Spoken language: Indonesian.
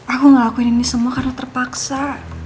aku ngelakuin ini semua karena terpaksa